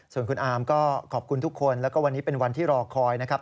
ส่วนคุณอาร์มก็ขอบคุณทุกคนแล้วก็วันนี้เป็นวันที่รอคอยนะครับ